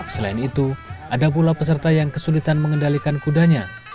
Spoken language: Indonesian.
selain itu ada pula peserta yang kesulitan mengendalikan kudanya